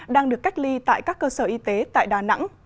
đang được cách ly tại các cơ sở y tế tại đà nẵng